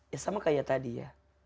ya sama kayak tadi ya